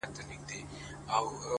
ها دی سلام يې وکړ ـ